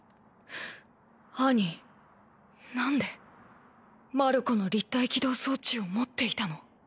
アニ何でマルコの立体機動装置を持っていたの？